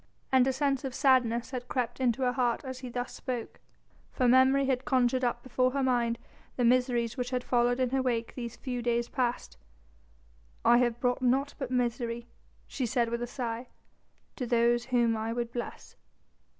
And a sense of sadness had crept into her heart as he thus spoke, for memory had conjured up before her mind the miseries which had followed in her wake these few days past. "I have brought naught but misery," she said with a sigh, "to those whom I would bless."